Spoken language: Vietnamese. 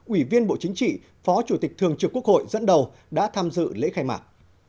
ủy viên bộ chính trị phó chủ tịch thường trực quốc hội dẫn đầu đã tham dự lễ khai mạc